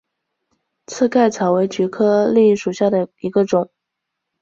刺盖草为菊科蓟属下的一个种。